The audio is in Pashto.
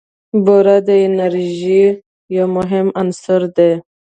بوره د انرژۍ یو مهم عنصر دی.